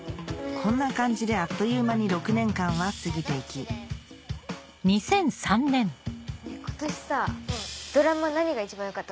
こんな感じであっという間に６年間は過ぎていき今年ドラマ何が一番良かった？